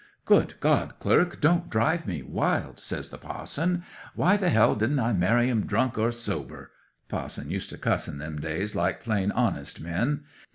'"Good God, clerk, don't drive me wild!" says the pa'son. "Why the hell didn't I marry 'em, drunk or sober!" (Pa'sons used to cuss in them days like plain honest men.)